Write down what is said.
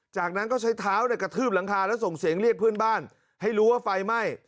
จากนั้นก็ใช้เท้ากระทืบหลังคาแล้วส่งเสียงเรียกเพื่อนบ้านให้รู้ว่าไฟไหม้